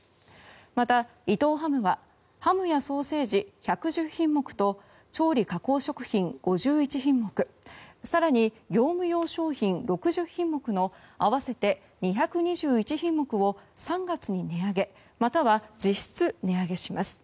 また伊藤ハムはハムやソーセージ１１０品目と調理加工食品５１品目更に業務用商品６０品目の合わせて２２１品目を３月に値上げまたは実質値上げします。